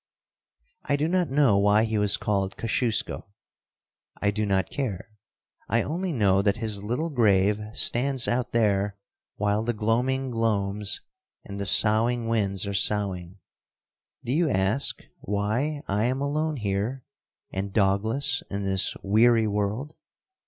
I do not know why he was called Kosciusko. I do not care. I only know that his little grave stands out there while the gloaming gloams and the soughing winds are soughing. Do you ask why I am alone here and dogless in this weary world?